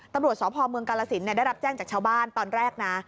ตำรวจสพเมืองกาลสินได้รับแจ้งจากชาวบ้านตอนแรกนะ